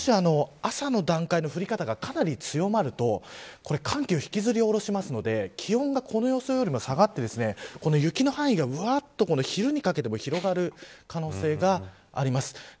朝の段階での降り方がかなり強まると寒気を引きずり降ろしますので気温がこの予想よりも下がって雪の範囲が昼にかけて広がる可能性があります。